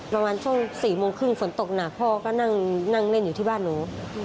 ประมาณช่วง๔โมงครึ่งฝนตกหนักพ่อก็นั่งเล่นอยู่ที่บ้านหนู